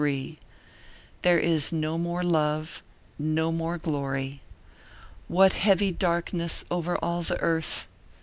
There is no more love, no more glory. What heavy darkness over all the earth!